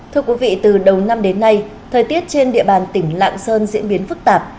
thưa quý vị từ đầu năm đến nay thời tiết trên địa bàn tỉnh lạng sơn diễn biến phức tạp